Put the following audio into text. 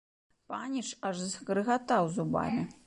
Паніч аж заскрыгатаў зубамі.